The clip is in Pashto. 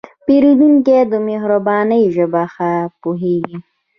پیرودونکی د مهربانۍ ژبه ښه پوهېږي.